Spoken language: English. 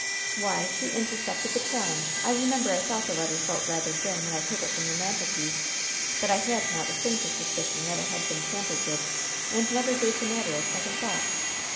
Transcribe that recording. "Why, she intercepted the challenge! I remember I thought the letter felt rather thin when I took it from the mantelpiece, but I had not the faintest suspicion that it had been tampered with, and never gave the matter a second thought.